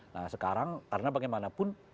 nah sekarang karena bagaimanapun